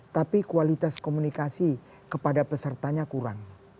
tapi kualitas komunikasi kepada pesertanya kurang